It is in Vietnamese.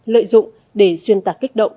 lợi dụng để xuyên tạc kích động